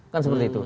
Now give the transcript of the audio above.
kan seperti itu